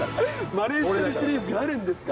まねしてるシリーズがあるんですか。